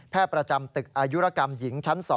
ประจำตึกอายุรกรรมหญิงชั้น๒